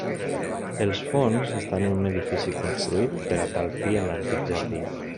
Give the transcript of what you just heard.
Els fons estan en un edifici construït per a tal fi en l'antic jardí.